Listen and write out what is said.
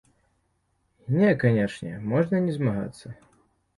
Не, канешне, можна не змагацца.